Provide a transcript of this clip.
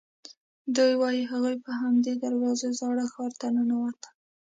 دوی وایي هغوی په همدې دروازو زاړه ښار ته ننوتل.